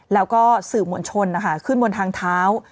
แล้วก็สื่อมวลชนขึ้นบนทางเท้า